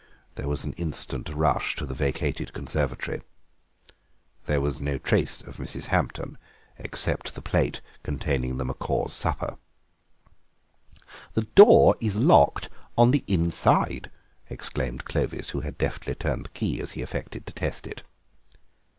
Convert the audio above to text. There was an instant rush to the vacated conservatory. There was no trace of Mrs. Hampton except the plate containing the macaws' supper. "The door is locked on the inside!" exclaimed Clovis, who had deftly turned the key as he affected to test it.